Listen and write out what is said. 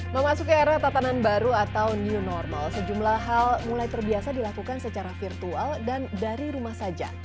memasuki era tatanan baru atau new normal sejumlah hal mulai terbiasa dilakukan secara virtual dan dari rumah saja